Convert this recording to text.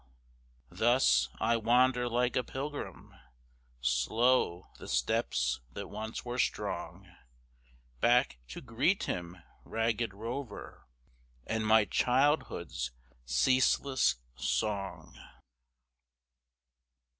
Thus, I wander like a pilgrim Slow the steps that once were strong; Back to greet him, Ragged Rover, And my childhood's ceaseless song.